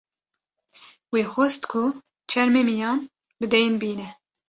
wî xwest ku çermê miyan bi deyn bîne